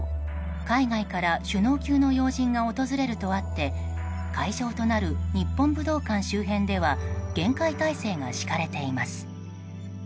海外から首脳級の要人が訪れるとあって会場となる日本武道館周辺では厳戒態勢が敷かれています。